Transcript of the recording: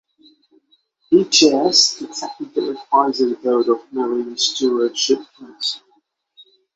He chairs the technical advisory board of Marine Stewardship Council.